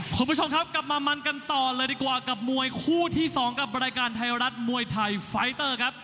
คุณผู้ชมครับกลับมามันกันต่อเลยดีกว่ากับมวยคู่ที่๒กับรายการไทยรัฐมวยไทยไฟเตอร์ครับ